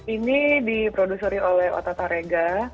ini diprodusori oleh otata rega